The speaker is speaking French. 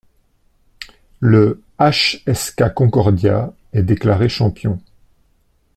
Le HŠK Concordia est déclaré champion.